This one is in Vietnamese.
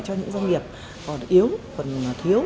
cho những doanh nghiệp còn yếu còn thiếu